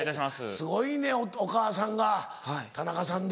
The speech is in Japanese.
すごいねお母さんが田中さんで。